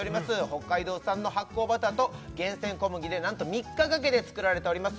北海道産の発酵バターと厳選小麦で何と３日かけて作られております